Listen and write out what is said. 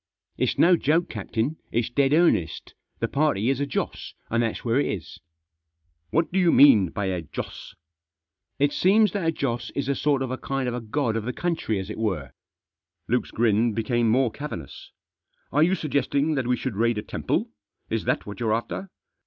"It's no joke, captain; it's dead earnest The party is a Joss, and that's where it is." " What do you mean by a Joss ?"" It seems that a Joss is a sort of a kind of a god of the country, as it were." Luke's grin became more cavernous. " Are you suggesting that we should raid a temple ; is that what you're after?"